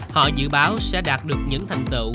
họ dự báo sẽ đạt được những thành tựu